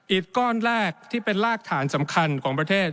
ก้อนแรกที่เป็นรากฐานสำคัญของประเทศ